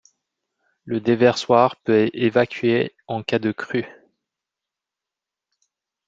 Le déversoir peut évacuer en cas de crue.